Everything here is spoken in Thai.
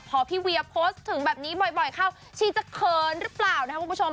พอพี่เวียโพสต์ถึงแบบนี้บ่อยเข้าชีจะเขินหรือเปล่านะครับคุณผู้ชม